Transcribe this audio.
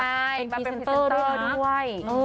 เป็นพีเซ็นเตอร์ด้วย